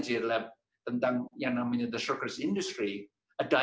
dan satu contoh yang bagus dari the blue ocean strategy adalah